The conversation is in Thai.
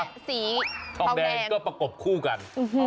สีทองแดงก็ประกบคู่กัน